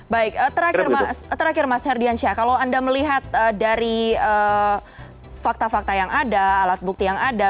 baik terakhir mas herdiansyah kalau anda melihat dari fakta fakta yang ada alat bukti yang ada